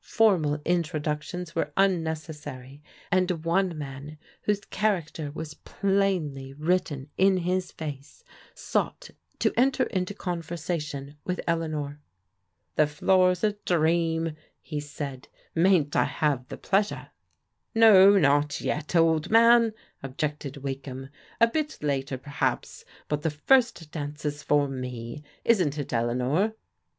For mal introductions were unnecessary, and one man, whose character was plainly written in his face, sought to enter into conversation with Eleanor. "The floor's a dream," he said; "mayn't I have die pleasure?" " No, not yet, old man," objected Wakdiam ;" a bit THE NIGHT CLXJB APPAIB 237 later, perhaps; but the first dance is for me; isn't it, Eleanor